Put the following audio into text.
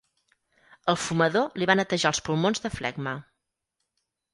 El fumador li va netejar els pulmons de flegma.